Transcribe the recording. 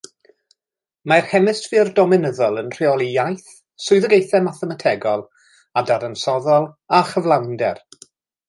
Mae'r hemisffer dominyddol yn rheoli iaith, swyddogaethau mathemategol a dadansoddol, a chyflawnder.